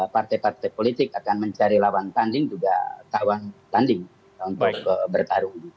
partai partai politik akan mencari lawan tanding juga kawan tanding untuk bertarung